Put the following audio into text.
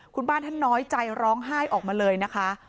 คุณบ้านท่านน้อยใจร้องไห้ออกมาเลยนะคะ